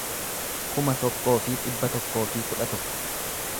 kuma tokkoo fi dhibba tokkoo fi kudha tokko